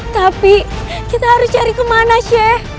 tapi kita harus cari kemana che